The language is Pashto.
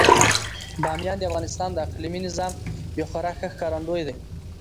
بامیان د افغانستان د اقلیمي نظام یو خورا ښه ښکارندوی دی.